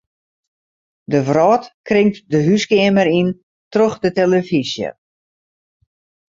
De wrâld kringt de húskeamer yn troch de telefyzje.